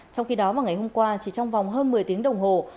trong khi đó vào ngày hôm qua chỉ trong vòng hơn một mươi tiếng đồng hồ